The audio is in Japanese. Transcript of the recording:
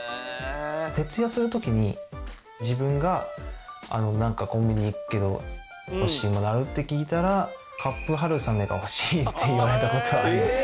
徹夜する時に、自分がコンビニ行くけど欲しいものある？って聞いたらカップ春雨が欲しいって言われた事はありました。